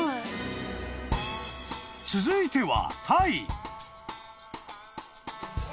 ［続いては］